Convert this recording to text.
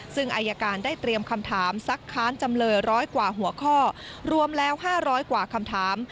ซึ่งอายการได้เตรียมคำถามซักค้านจำเลย๑๐๐กว่าหัวข้อรวมแล้ว๕๐๐กว่าคำถาม